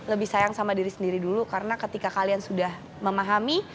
lebih sayang sama diri sendiri dulu karena ketika kalian sudah memahami